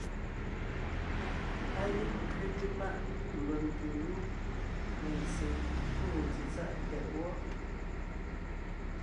Á gíŋ ńkẅéte páʼ mbʉ̀ŋ te lú mentse túŋo tsetsáʼ tɛʼ wɔ́.